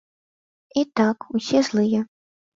І так, усе злыя.